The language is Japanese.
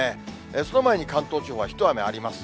その前に関東地方は一雨あります。